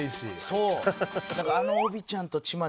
そう。